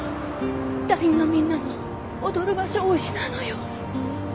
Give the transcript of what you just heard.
団員のみんなも踊る場所を失うのよ